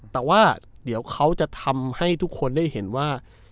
แต่ว่าเดี๋ยวเขาจะทำให้ทุกคนได้เห็นว่า